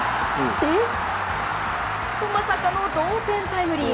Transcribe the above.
まさかの同点タイムリー。